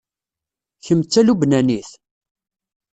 Kemm d Talubnanit?